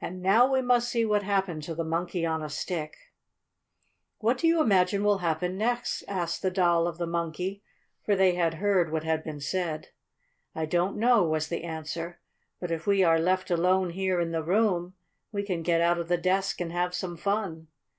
And now we must see what happened to the Monkey on a Stick. "What do you imagine will happen next?" asked the Doll of the Monkey, for they had heard what had been said. "I don't know," was the answer. "But if we are left alone here in the room we can get out of the desk and have some fun."